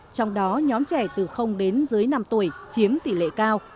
trong đó nhóm trẻ từ đến dưới năm tuổi chiếm tỷ lệ cao